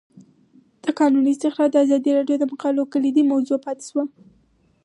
د کانونو استخراج د ازادي راډیو د مقالو کلیدي موضوع پاتې شوی.